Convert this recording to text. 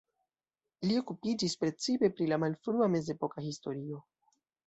Li okupiĝis precipe pri la malfrua mezepoka historio.